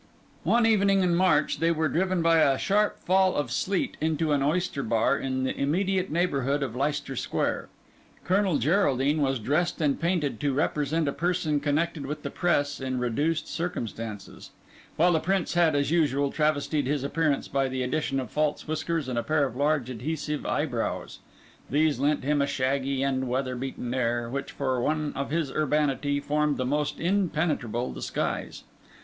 One evening in March they were driven by a sharp fall of sleet into an Oyster Bar in the immediate neighbourhood of Leicester Square. Colonel Geraldine was dressed and painted to represent a person connected with the Press in reduced circumstances; while the Prince had, as usual, travestied his appearance by the addition of false whiskers and a pair of large adhesive eyebrows. These lent him a shaggy and weather beaten air, which, for one of his urbanity, formed the most impenetrable disguise.